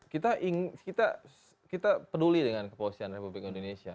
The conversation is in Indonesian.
kita peduli dengan kepolisian republik indonesia